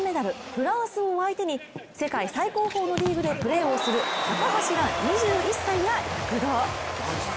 フランスを相手に世界最高峰のリーグでプレーをする高橋藍２１歳が躍動。